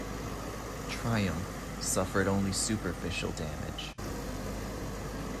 "Triumph" suffered only superficial damage.